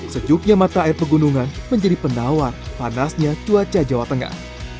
sejuknya mata air pegunungan menjadi penawar panasnya cuaca jawa tengah